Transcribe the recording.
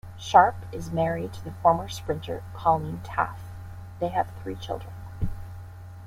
Sharpe is married to former sprinter Colene Taffe, they have three children.